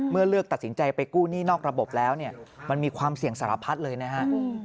เลือกตัดสินใจไปกู้หนี้นอกระบบแล้วเนี่ยมันมีความเสี่ยงสารพัดเลยนะฮะ